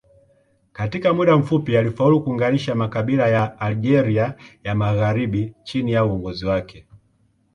Katika muda mfupi alifaulu kuunganisha makabila ya Algeria ya magharibi chini ya uongozi wake.